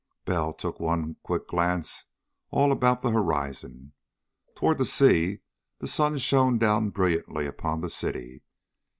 Bell took one quick glance all about the horizon. Toward the sea the sun shone down brilliantly upon the city.